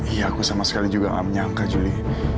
iya aku sama sekali juga gak menyangka juli